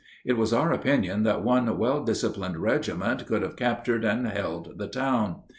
It was our opinion that one well disciplined regiment could have captured and held the town.